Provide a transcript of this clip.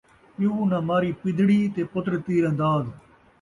پیو ناں ماری پدڑی تے پتر تیرانداز